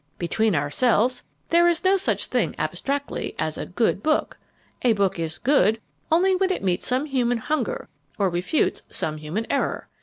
Between ourselves, there is no such thing, abstractly, as a 'good' book. A book is 'good' only when it meets some human hunger or refutes some human error.